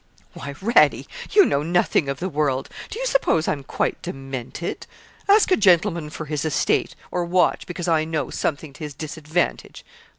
'Why, Radie, you know nothing of the world. Do you suppose I'm quite demented? Ask a gentleman for his estate, or watch, because I know something to his disadvantage!